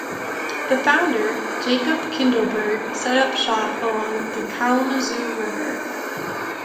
The founder, Jacob Kindleberger set up shop along the Kalamazoo River.